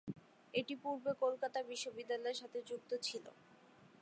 এটি পূর্বে কলকাতা বিশ্ববিদ্যালয়ের সাথে যুক্ত ছিল।